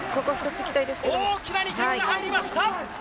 大きな２点が入りました！